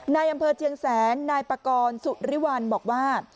นายอำเภอเชียงแสนนายปากรสุริวัลบอกว่า